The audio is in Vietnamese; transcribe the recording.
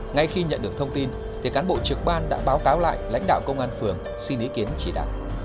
ngay khi nhận được thông tin cán bộ trực ban đã báo cáo lại lãnh đạo công an phường xin ý kiến chỉ đạo